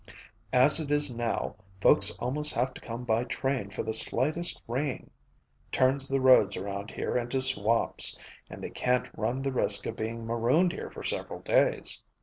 As it is now, folks almost have to come by train for the slightest rain turns the roads around here into swamps and they can't run the risk of being marooned here for several days."